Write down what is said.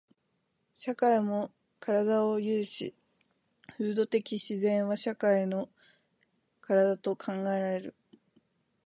社会も身体を有し、風土的自然は社会の身体と考えられる。